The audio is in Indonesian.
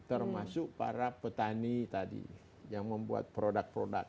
termasuk para petani tadi yang membuat produk produk